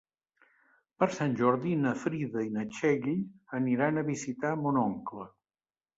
Per Sant Jordi na Frida i na Txell aniran a visitar mon oncle.